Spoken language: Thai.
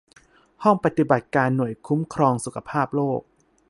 ห้องปฏิบัติการหน่วยคุ้มครองสุขภาพโลก